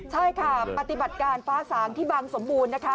ใช่ค่ะปฏิบัติการฟ้าสางที่บางสมบูรณ์นะคะ